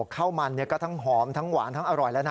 ข้าวมันก็ทั้งหอมทั้งหวานทั้งอร่อยแล้วนะ